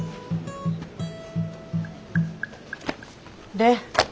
で？